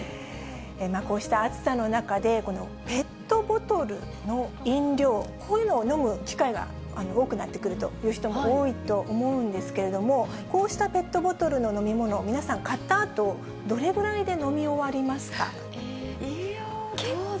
こうした暑さの中で、ペットボトルの飲料、こういうのを飲む機会が多くなってくるという人も多いと思うんですけれども、こうしたペットボトルの飲み物、皆さん、買ったあと、どれぐらい結構。